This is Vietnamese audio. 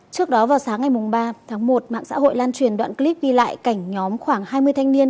trước đó vào sáng ngày ba tháng một mạng xã hội lan truyền đoạn clip ghi lại cảnh nhóm khoảng hai mươi thanh niên